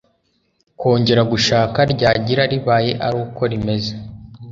kongera gushaka ryagira ribaye ari uko rimeze